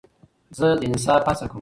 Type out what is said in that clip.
زه د انصاف هڅه کوم.